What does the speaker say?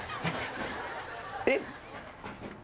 えっ？